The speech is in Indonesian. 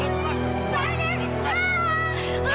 itu tak apa